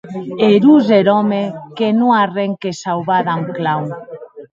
Erós er òme que non a arren que sauvar damb clau!